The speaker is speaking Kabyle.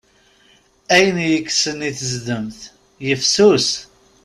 Ayen yekksen i tezdemt, yifsus.